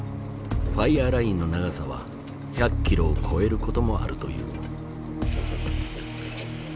ファイアーラインの長さは１００キロを超えることもあるという。